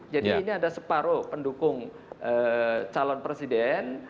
jadi ini ada separuh pendukung calon presiden